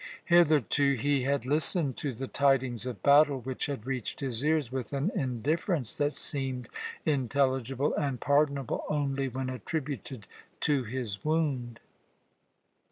Hitherto he had listened to the tidings of battle which had reached his ears with an indifference that seemed intelligible and pardonable only when attributed to his wound.